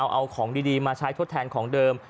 เอาของดีมาใช้ทดแทนของเดิม